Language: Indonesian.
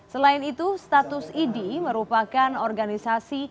selain itu status id merupakan organik